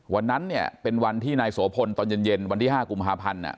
วันนั้นเนี่ยเป็นวันที่นายโสพลตอนเย็นวันที่๕กุมภาพันธ์